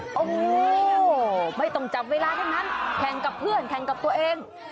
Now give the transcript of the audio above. โอ้โหไม่ต้องจับเวลาทั้งนั้นแข่งกับเพื่อนแข่งกับตัวเอง